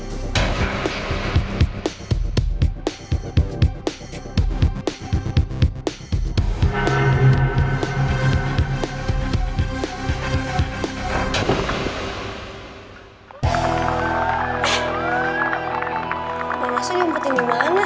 wah masanya kembali kemana